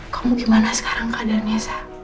kamu gimana sekarang kak danesa